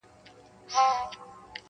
• خو درد بې ځوابه پاتې کيږي تل,